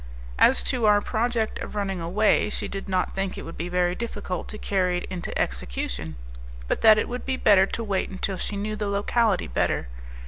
As to our project of running away, she did not think it would be very difficult to carry it into execution, but that it would be better to wait until she knew the locality better.